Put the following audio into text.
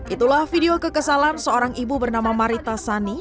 itulah video kekesalan seorang ibu bernama marita sani